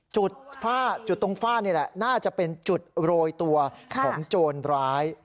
ฝ้าจุดตรงฝ้านี่แหละน่าจะเป็นจุดโรยตัวของโจรร้าย